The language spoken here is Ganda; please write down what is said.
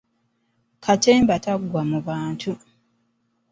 Katemba taggwa mu bantu!